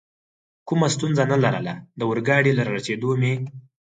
کومه ستونزه نه لرله، د اورګاډي له رارسېدو مې.